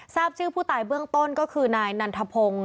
ทราบชื่อผู้ตายเบื้องต้นก็คือนายนันทพงศ์